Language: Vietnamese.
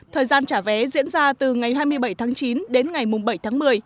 thời gian trả vé diễn ra từ ngày hai mươi bảy tháng chín đến ngày bảy tháng một mươi